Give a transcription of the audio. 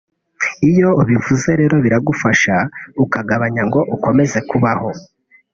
iyo ubivuze rero biragufasha ukagabanya ngo ukomeze kubaho